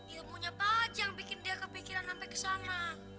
ilmunya pak haji yang bikin dia kepikiran sampai ke sana